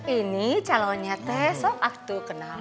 ini calonnya teh sok aktu kenal